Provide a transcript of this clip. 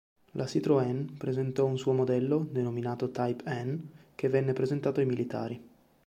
La Citroën presentò un suo modello, denominato Type N, che venne presentato ai militari.